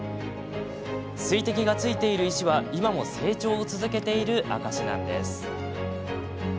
水滴がついている石は今も成長を続けている証しなんです。